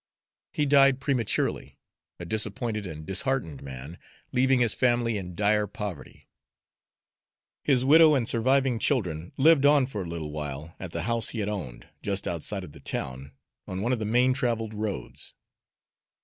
He died prematurely, a disappointed and disheartened man, leaving his family in dire poverty. His widow and surviving children lived on for a little while at the house he had owned, just outside of the town, on one of the main traveled roads.